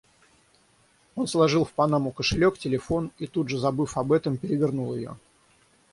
Он сложил в панаму кошелёк, телефон и, тут же забыв об этом, перевернул её.